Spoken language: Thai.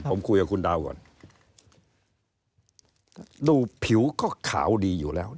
ผมคุยกับคุณดาวก่อนดูผิวก็ขาวดีอยู่แล้ว